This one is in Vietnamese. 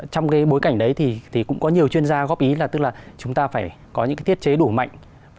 trong bối cảnh đấy cũng có nhiều chuyên gia góp ý là chúng ta phải có những thiết chế đủ mạnh